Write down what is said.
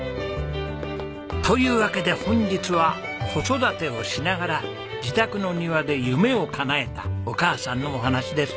というわけで本日は子育てをしながら自宅の庭で夢をかなえたお母さんのお話です。